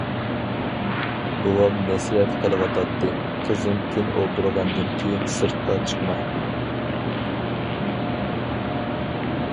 بوۋام نەسىھەت قىلىۋاتاتتى:-قىزىم كۈن ئولتۇرغاندىن كېيىن سىرتقا چىقما.